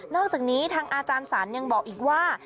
อกจากนี้ทางอาจารย์สรรยังบอกอีกว่า